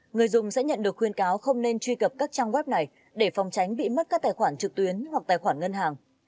người dùng sẽ nhận được khuyên cáo không nên truy cập các trang web này để phòng tránh bị mất các tài khoản trực tuyến hoặc tài khoản ngân hàng